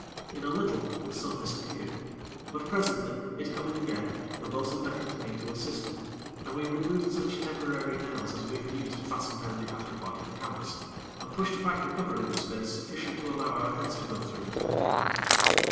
In a little, the sun disappeared; but, presently, it coming again, the bo'sun beckoned to me to assist him, and we removed such temporary nails as we had used to fasten down the after part of the canvas, and pushed back the covering a space sufficient to allow our heads to go through into the daylight.